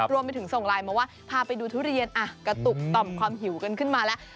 รวมไปถึงส่งไลน์มาว่าพาไปดูทุเรียนกระตุกต่อมความหิวกันขึ้นมาแล้ว